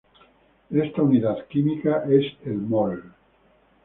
Esta unidad química es el mol.